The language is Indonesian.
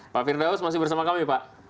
pak firdaus masih bersama kami pak